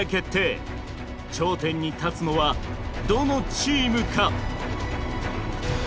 頂点に立つのはどのチームか。